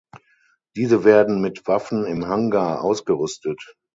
Diese werden mit Waffen im Hangar ausgerüstet.